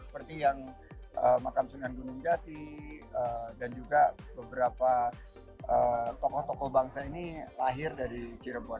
seperti yang makam sunan gunung jati dan juga beberapa tokoh tokoh bangsa ini lahir dari cirebon